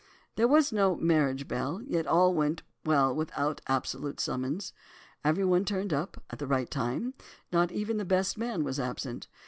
There was no "marriage bell," yet all went well without that obsolete summons. Every one turned up at the right time, not even the best man was absent.